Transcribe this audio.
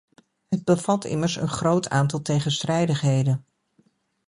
Het bevat immers een groot aantal tegenstrijdigheden.